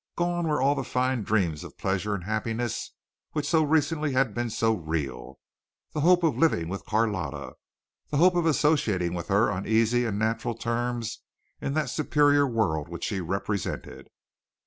Gone were all the fine dreams of pleasure and happiness which so recently had been so real the hope of living with Carlotta the hope of associating with her on easy and natural terms in that superior world which she represented.